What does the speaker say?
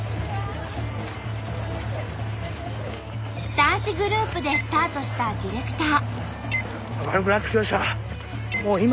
男子グループでスタートしたディレクター。